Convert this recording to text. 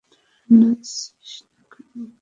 তুই নাচছিস না কেন?